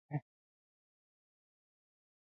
افغانستان د کندهار د ساتنې لپاره قوانین لري.